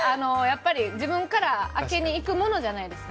自分から開けにいくものじゃないですか。